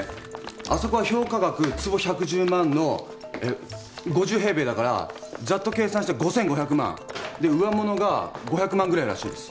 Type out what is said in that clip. あそこは評価額坪１１０万のええ５０平米だからざっと計算して５，５００万で上モノが５００万ぐらいらしいです。